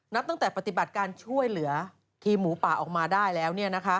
นับตั้งแต่ปฏิบัติการช่วยเหลือทีมหมูป่าออกมาได้แล้ว